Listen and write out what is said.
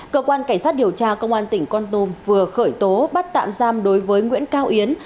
cơ quan cảnh sát điều tra công an tỉnh con tum vừa khởi tố bắt tạm giam đối với nguyễn cao yến